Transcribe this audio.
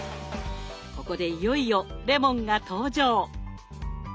ここでいよいよレモンが登場！